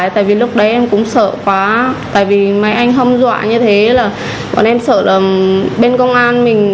tại vì mấy anh hâm dọa như thế là bọn em sợ là bên công an mình